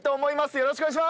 よろしくお願いします。